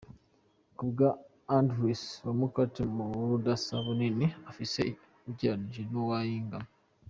Ku bwa Andressa, uwo mukate nta budasa bunini ufise ugereranije n'uw'ingano.